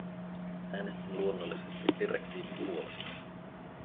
Äänestin luonnollisesti direktiivin puolesta.